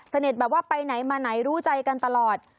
เน็ตแบบว่าไปไหนมาไหนรู้ใจกันตลอด